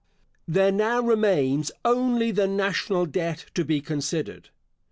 There now remains only the national debt to be considered.